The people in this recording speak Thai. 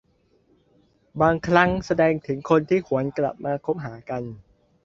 บางครั้งแสดงถึงคนที่หวนกลับมาคบหากัน